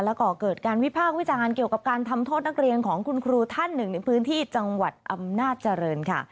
แล้วก็เกิดการวิพากษ์วิจารณ์เกี่ยวกับการทำโทษนักเรียนของคุณครูท่านหนึ่งในพื้นที่จังหวัดอำนาจเจริญค่ะ